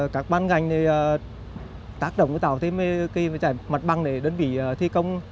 các băng ngành tác động tạo thêm cái chải mặt bằng để đơn vị thi công